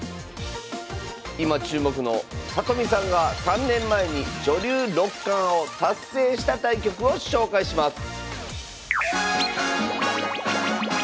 今注目の里見さんが３年前に女流六冠を達成した対局を紹介します